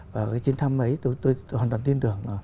và cái chuyến thăm ấy tôi hoàn toàn tin tưởng